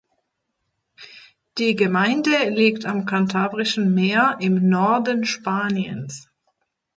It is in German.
Die Gemeinde liegt am Kantabrischen Meer im Norden Spaniens.